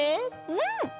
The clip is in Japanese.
うん！